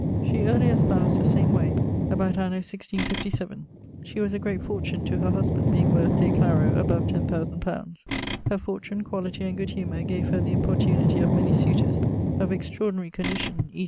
She early espoused the same way, about anno 1657. She was a great fortune to her husband, being worth de claro above 10,000 li. Her fortune, quality, and good humour gave her the importunity of many suitors of extraordinary condition, e.